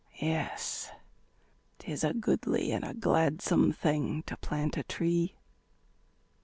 Yes, 'tis a goodly, and a gladsome thing To plant a tree.